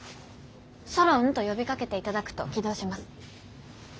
ソロンと呼びかけていただくと起動します。